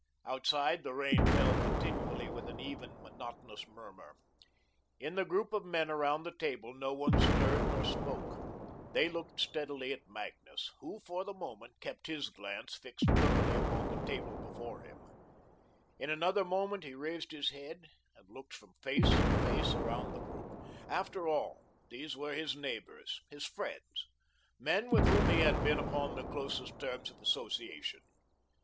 Outside, the rain fell continually with an even, monotonous murmur. In the group of men around the table no one stirred nor spoke. They looked steadily at Magnus, who, for the moment, kept his glance fixed thoughtfully upon the table before him. In another moment he raised his head and looked from face to face around the group. After all, these were his neighbours, his friends, men with whom he had been upon the closest terms of association.